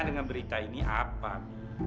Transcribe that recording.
dengan berita ini apa